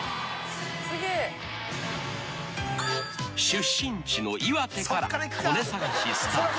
［出身地の岩手からコネ探しスタート］